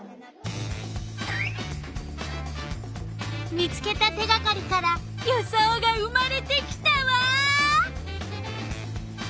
見つけた手がかりから予想が生まれてきたわ！